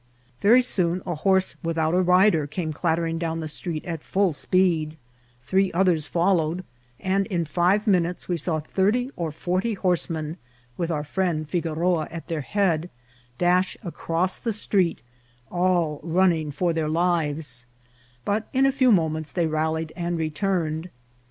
Very soon a horse without a rider came clattering down the street at full speed ; three others followed, and in five minutes we saw thirty or forty horsemen, with our friend Figoroa at their head, dash across the street, all running for their lives ; but in a few moments they rallied and returned.